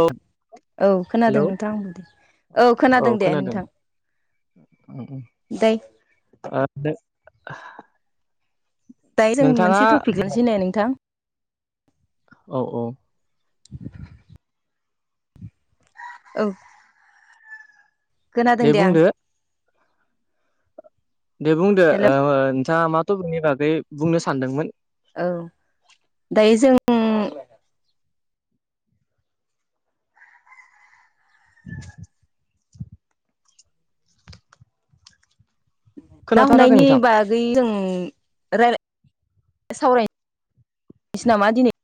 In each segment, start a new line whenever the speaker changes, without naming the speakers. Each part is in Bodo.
औ।
औ
हेलौ
खोनादों नोंथां आंबो दे औ खोनादों दे नोंथां। दायो
[unintelligible] [unintelligible]
दायो जों
नोंथाङा
मोनसे टपिक लानोसै ना नोंथां?
औ औ।
औ। खोनादों दे आं।
दे बुंदो
हेलौ
ओ नोंथाङा मा थपिकनि बागै बुंनो सानदोंमोन?
औ दायो जों ना ना
खोनाथाराखै
हमनायनि
नोंथां
बागै जों रायलाय सावराय सै नामा दिनै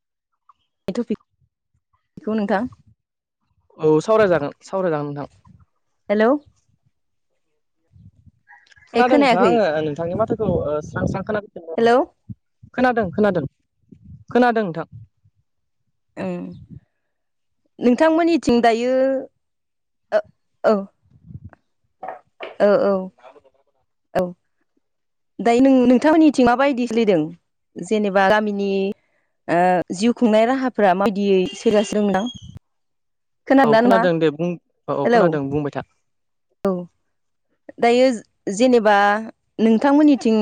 टपिखौ नोंथां?
औ सावरायजागोन सावरायजागोन नोंथां।
हेलौ। ए
खोनादों नोंथां
खोनायाखै
आङो नोंथांनि माथोखौ ओ स्रां स्रां खोनादों।
हेलौ।
खोनादों खोनादों खोनादों नोंथां।
ओ। नोंथांमोननिथिं दायो अ औ। ओ औ औ दायो नों नोंथांमोननिथिं माबायदि सोलायदों जेनेबा गामिनि ओ जिउ खुंनाय राहाफोरा माबायदियै सोलिगासिनों दं नोंथां।
औ
खोनादोंना नोंथाङा
खोनादों दे बुं औ औ
हेलौ
खोनादों बुंबाय था।
औ दायो जेनेबा नोंथांमोननिथिं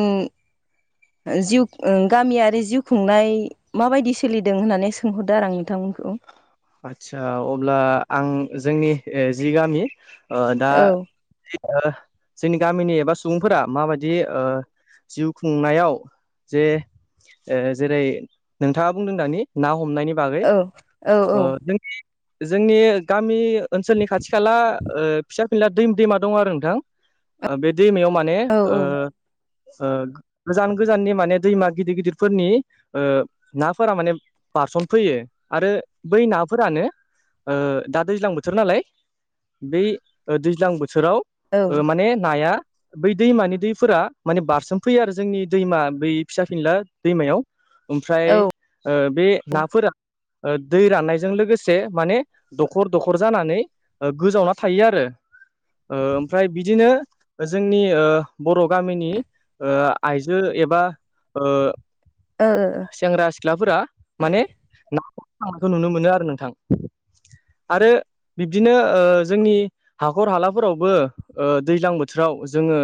जिउ गामियारि जिउ खुंनाय माबायदि सोलिदों होननानै सोंहरदो आरो आं नोंथांमोनखौ।
आदसा अब्ला आं जोंनि जि गामि ओ दा।
औ
जोंनि गामिनि एबा सुबुंफोरा माबायदि ओ। जिउ खुंनायाव जे जेरै नोंथाङा बुंदों दानि ना हमनायनि बागै
औ औ
ओ जोंनि जोंनि गामि ओनसोलनि खाथि खाला। ओ फिसा फिनला दै दैमा दङ आरो नोंथां बे दैमायाव माने
औ
ओ ओ गोजान गोजाननि माने दैमा गिदिर गिदिरफोरनि ओ नाफोरा माने। पारसल फैयो आरो बै नाफोरानो ओ दा दैज्लां बोथोर नालाय। बै दैज्लां बोथोराव
औ
ओ माने नाया बै दैमानि दैफोरा माने बारसोमफैयो आरो जोंनि दैमा बै फिसा फिनला दैमायाव
ओ
ओमफ्राय बे नाफोरा ओ दै राननायजों लोगोसे माने दखर दखर जानानै गोजावना थायो आरो ओ ओमफ्राय बिदिनो जोंनि बर' गामिनि ओ आइजो एबा ओ
ओ ओ ओ
सेंग्रा सिख्लाफोरा माने ना हमनो थांनायखौ नुनो मोनो आरो नोंथां आरो बिब्दिनो जोंनि हाखर हालाफोरावबो ओ दैज्लां बोथोराव जोङो।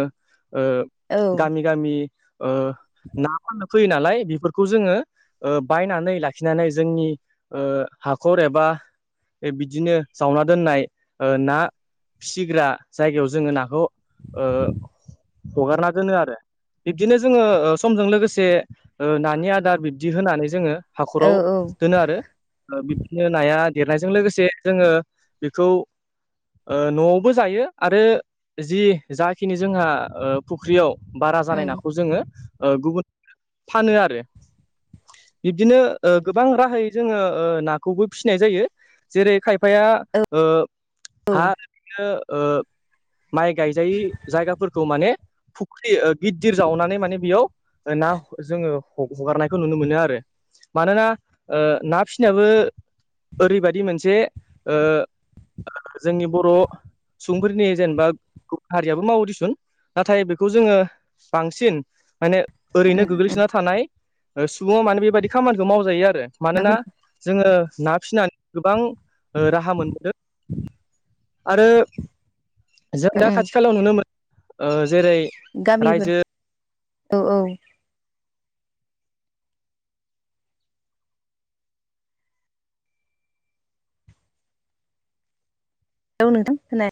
ओ गामि गामि ओ ना फाननो फैयो नालाय बेफोरखौ जोङो ओ बायनानै लाखिनानै जोंनि ओ हाखर एबा बिदिनो जावना दोननाय ना फिसिग्रा जायगायाव जोङो नाखौ ओ हगारना दोनो आरो। बिब्दिनो जोङो समजों लोगोसे नानि आदार बिब्दि होनानै जोङो हाखराव
उम
दोनो आरो। बिदिनो नाया देरनायजों लोगोसे जोङो बेखौ ओ न'आवबो जायो आरो जि जाखिनि जोंहा फुख्रियाव बारा जानाय नाखौ जोङो ओ गुबुन। फानो आरो बिब्दिनो गोबां राहायै। जोङो ओ नाखौबो फिसिनाय जायो जेरै खायफाया
औ
ओ। हा ओरैनो ओ माइ गायजायै जायगाफोरखौ माने फुख्रि गिदिर जावनानै माने बेयाव। ना जोङो हगारनायखौ नुनो मोनो आरो मानोना ना फिसिनायाबो ओरैबायाददि मोनसे ओ जोंनि बर'। सुबुंफोरनि जेनेबा गुबुन हारियाबो मावो दिसुन नाथाय बेखौ जोङो बांसिन माने ओरैनो
उम उम
गोग्लैसोना थानाय सुबुंया मानोे बेबायाददि खामानिखौ मावजायो आरो मानोना
नाफोरखौ
जोङो ना फिसिनानै गोबां राहा मोनबोदों। आरो जों दा
उम
खाथि खालायाव नुनो मोनो जेरै
गामिबोफोर
रायजो
औ औ [unintelligible] नुथदों होनाय [inaudible]